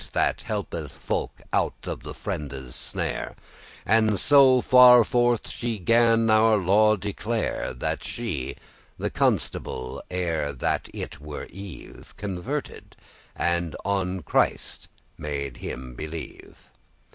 * That helpeth folk out of the fiendes snare:" And *so farforth* she gan our law declare, *with such effect* That she the Constable, ere that it were eve, Converted, and on Christ made him believe.